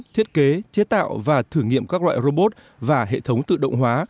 thiết kế chế tạo và thử nghiệm các loại robot và hệ thống tự động hóa